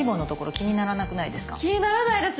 気にならないです。